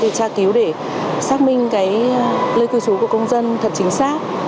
để tra cứu để xác minh cái lời cứu chú của công dân thật chính xác